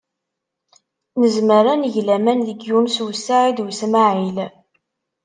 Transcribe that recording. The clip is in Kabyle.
Nezmer ad neg laman deg Yunes u Saɛid u Smaɛil.